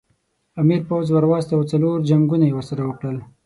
امیر پوځ ور واستاوه او څلور جنګونه یې ورسره وکړل.